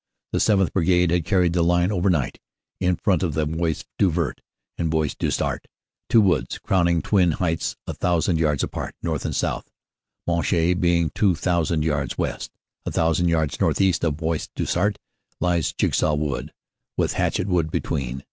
The 7th. Brigade had carried the line overnight in front of the Bois du Vert and Bois du Sart, two woods crowning twin heights a thousand yards apart north and south, Monchy being two thousand yards west. A thousand yards northeast of Bois du Sart lies Jigsaw Wood, with Hatchett Wood between.